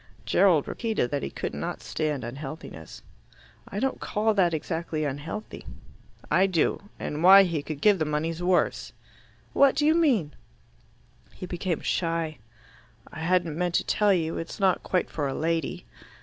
Gerald repeated that he could not stand unhealthiness. "I don't call that exactly unhealthy." "I do. And why he could give the money's worse." "What do you mean?" He became shy. "I hadn't meant to tell you. It's not quite for a lady."